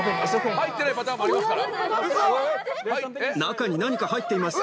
入ってないパターンもありますから。